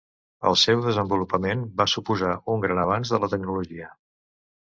El seu desenvolupament va suposar un gran avanç de la tecnologia.